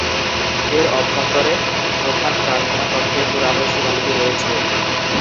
এর অভ্যন্তরে প্রধান প্রার্থনা কক্ষে কুরআনের শিলালিপি রয়েছে।